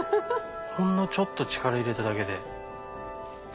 ほんのちょっと力入れただけで。